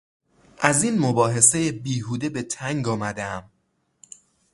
از این مباحثهٔ بیهوده به تنگ آمده ام.